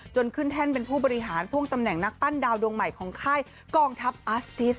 จนขึ้นแท่นเป็นผู้บริหารกับท่านทัพอัสติส